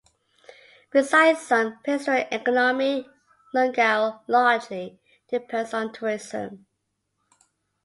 Beside some pastoral economy, Lungau largely depends on tourism.